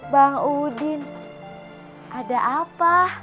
bang udin ada apa